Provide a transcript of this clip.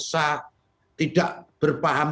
sah tidak berpaham